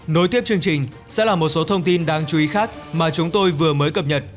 nối tiếp chương trình sẽ là một số thông tin đáng chú ý khác mà chúng tôi vừa mới cập nhật